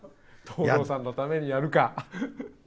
藤堂さんのためにやるか。